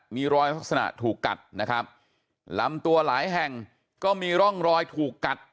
มีรอยลักษณะถูกกัดนะครับลำตัวหลายแห่งก็มีร่องรอยถูกกัด